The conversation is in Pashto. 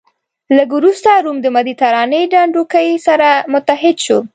لږ وروسته روم د مدترانې ډنډوکی سره متحد شو.